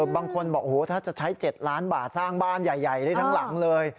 บางคนบอกโอ้โหถ้าจะใช้๗ล้านบาทสร้างบ้านใหญ่ได้ทั้งหลังเลย